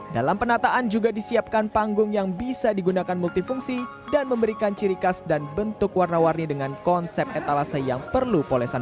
dalam penataan juga disiapkan panggung yang bisa digunakan multifungsi dan memberikan ciri khas dan bentuk warna warni dengan konsep etalase yang perlu polesan